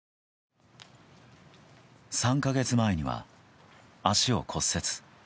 ３か月前には足を骨折。